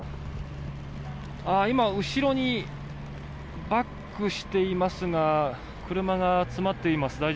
今、後ろにバックしていますが車が詰まっています。